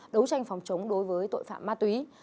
đấu tranh phòng chống đối với tội phạm ma túy